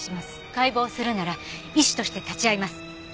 解剖するなら医師として立ち会います。